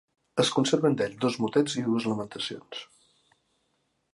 Es conserven d'ell dos motets i dues lamentacions.